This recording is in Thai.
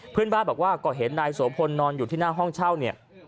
เพื่อนบ้านบอกว่าก็เห็นนายโสพลนอนอยู่ที่หน้าห้องเช่าเนี่ย